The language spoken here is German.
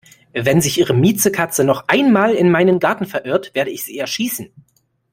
Wenn sich Ihre Miezekatze noch einmal in meinen Garten verirrt, werde ich sie erschießen!